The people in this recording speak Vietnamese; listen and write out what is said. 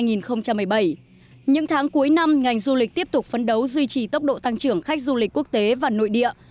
những tháng cuối năm ngành du lịch tiếp tục phấn đấu duy trì tốc độ tăng trưởng khách du lịch quốc tế và nội địa